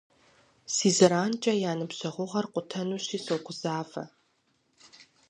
Си зэранкӏэ я ныбжьэгъугъэр къутэнущи согузавэ.